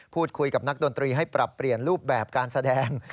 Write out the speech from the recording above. พูดคุยกับนักดนตรีให้ปรับเปลี่ยนรูปแบบการแสดง